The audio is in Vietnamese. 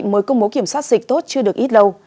mới công bố kiểm soát dịch tốt chưa được ít lâu